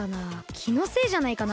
きのせいじゃないかな？